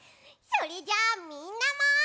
それじゃあみんなも。